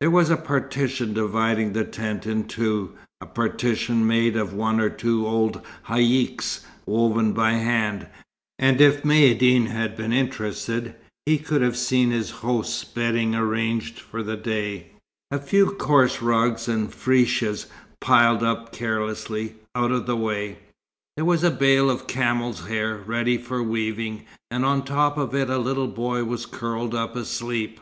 There was a partition dividing the tent in two, a partition made of one or two old haïcks, woven by hand, and if Maïeddine had been interested, he could have seen his host's bedding arranged for the day; a few coarse rugs and frechias piled up carelessly, out of the way. There was a bale of camels' hair, ready for weaving, and on top of it a little boy was curled up asleep.